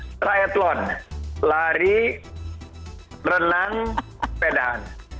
triathlon lari renang sepedahan